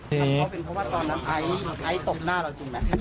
เพราะเป็นเพราะว่าตอนนั้นไอซ์ไอซ์ตบหน้าเราจริงไหม